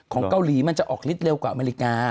เกาหลีมันจะออกฤทธเร็วกว่าอเมริกา